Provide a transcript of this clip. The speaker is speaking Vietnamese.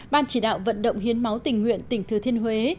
ban chỉ đạo vận động hiến máu tình nguyện tỉnh thừa thiên huế